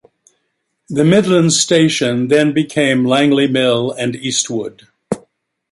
The Midland station then became Langley Mill and Eastwood.